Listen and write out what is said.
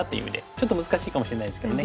ちょっと難しいかもしれないですけどね。